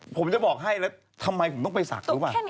ผมจะบอกให้ทำไมผมต้องไปสัก